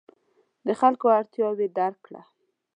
د خلکو اړتیاوې درک کړه.